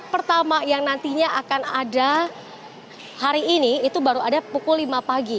pertama yang nantinya akan ada hari ini itu baru ada pukul lima pagi